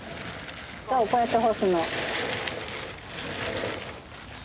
そうこうやって干すの。